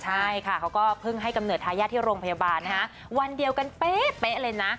ใช่ค่ะเขาก็เพิ่งให้กำเนิดทายาทที่โรงพยาบาลนะฮะวันเดียวกันเป๊ะเลยนะ